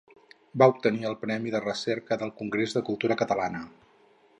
Va obtenir el Premi de Recerca del Congrés de Cultura Catalana.